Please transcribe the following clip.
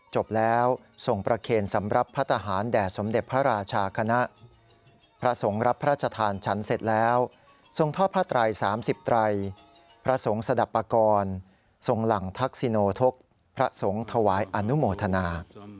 จบแล้วส่งประเคนสำหรับพระทหารแด่สมเด็จพระราชาคณะพระสงฆ์รับพระราชทานฉันเสร็จแล้วทรงทอดพระไตร๓๐ไตรพระสงฆ์สดับปากรทรงหลังทักษิโนทกพระสงฆ์ถวายอนุโมทนา